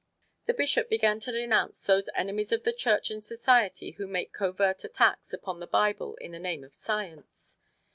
The Bishop began to denounce "those enemies of the Church and Society who make covert attacks upon the Bible in the name of Science."